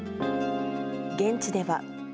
現地では。